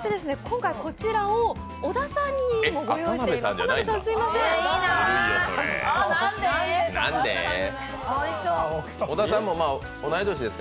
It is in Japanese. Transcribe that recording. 今回こちらを小田さんにもご用意しています。